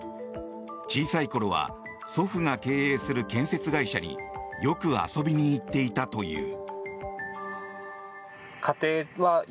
小さい頃は祖父が経営する建設会社によく遊びに行っていたという。